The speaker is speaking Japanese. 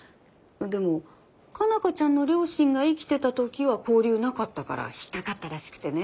でも佳奈花ちゃんの両親が生きてた時は交流なかったから引っ掛かったらしくてね。